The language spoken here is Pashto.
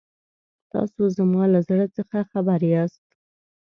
تاسو زما له زړه څخه خبر یاست.